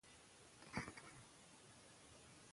پابندی غرونه د افغانستان په هره برخه کې موندل کېږي.